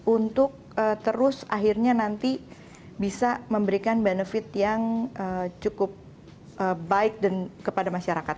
untuk terus akhirnya nanti bisa memberikan benefit yang cukup baik kepada masyarakat